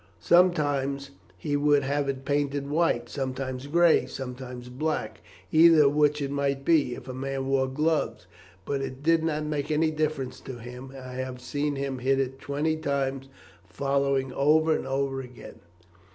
Sometimes he would have it painted white, sometimes gray, sometimes black, either of which it might be, if a man wore gloves, but it did not make any difference to him; and I have seen him hit it twenty times following, over and over again."